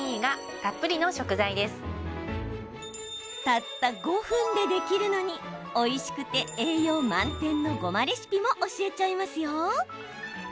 たった５分でできるのにおいしくて栄養満点のごまレシピも教えちゃいますよ。